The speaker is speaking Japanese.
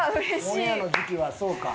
オンエアの時期はそうか。